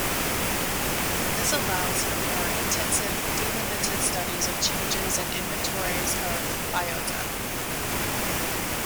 This allows for more intensive, delimited studies of changes and inventories of biota.